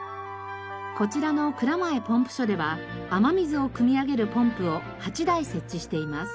こちらの蔵前ポンプ所では雨水をくみ上げるポンプを８台設置しています。